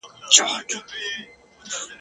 د غوايی تر سترګو ټوله ځنګل تور سو !.